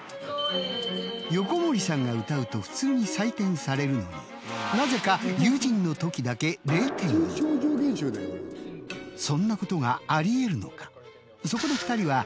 横森さんが歌うと普通に採点されるのになぜかそんなことがありえるのか？